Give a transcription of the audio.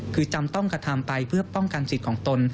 คือจำต้องกระทำไปเพื่อป้องกันสิทธิ์ของตน